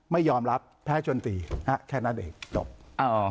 ไม่ยอมรับแพ้จนตีแค่นั้นเองจบอ่า